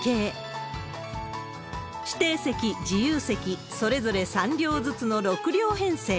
指定席、自由席、それぞれ３両ずつの６両編成。